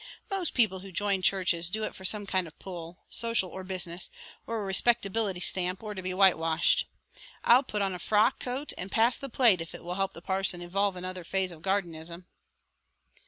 "Most people who join churches do it for some kind of pull, social or business, or a respectability stamp or to be white washed. I'll put on a frock coat and pass the plate if it will help the parson evolve another phase of gardenism."